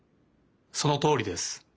そのとおりです。